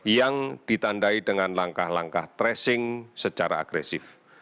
yang ditandai dengan langkah langkah tracing secara agresif